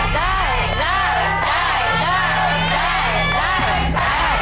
ได้ครับ